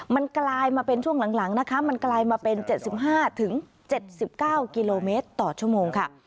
มันกลายมาเป็นช่วงหลังหลังนะคะมันกลายมาเป็นเจ็ดสิบห้าถึงเจ็ดสิบเก้ากิโลเมตรต่อชั่วโมงค่ะ